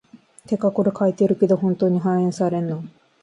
てかこれ書いてるけど、本当に反映されんの？